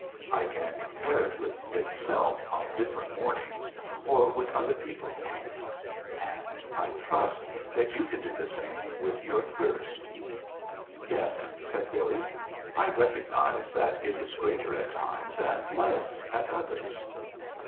I can compare it with itself on different mornings or with other people's anger. And I trust that you can do the same with your thirst." "Yes," said Billy; "I recognize that it is greater at times and less at others."